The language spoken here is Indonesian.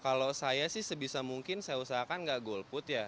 kalau saya sih sebisa mungkin saya usahakan nggak golput ya